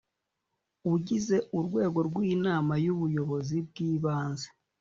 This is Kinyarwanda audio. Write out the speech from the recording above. Ugize Urwego rw Inama y Ubuyobozi rw ibanze